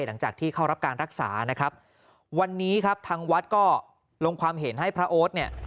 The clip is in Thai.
หลังจากที่เข้ารับการรักษานะครับวันนี้ครับทางวัดก็ลงความเห็นให้พระโอ๊ตเนี่ย